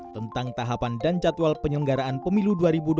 tentang tahapan dan jadwal penyelenggaraan pemilu dua ribu dua puluh